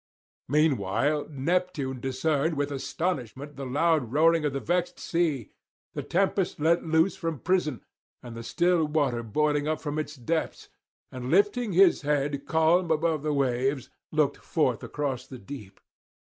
Meanwhile Neptune discerned with astonishment the loud roaring of the vexed sea, the tempest let loose from prison, and the still water boiling up from its depths, and lifting his head calm above the waves, looked forth across the deep.